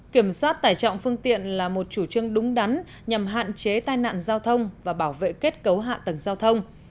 kiểm soát tải trọng phương tiện là một chủ trương đúng đắn nhằm hạn chế tai nạn giao thông và bảo vệ kết cấu hạ tầng giao thông